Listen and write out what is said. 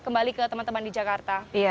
kembali ke teman teman di jakarta